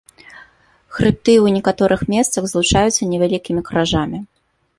Хрыбты ў некаторых месцах злучаюцца невялікімі кражамі.